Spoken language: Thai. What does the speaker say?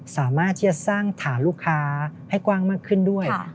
สามารถที่จะสร้างฐานลูกค้าให้กว้างมากขึ้นด้วย